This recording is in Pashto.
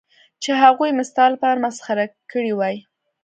چې هغوی مې ستا لپاره مسخره کړې وای.